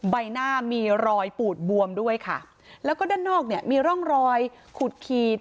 ใบหน้ามีรอยปูดบวมด้วยค่ะแล้วก็ด้านนอกเนี่ยมีร่องรอยขูดขีด